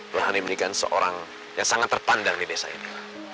tuhan diberikan seorang yang sangat terpandang di desa ini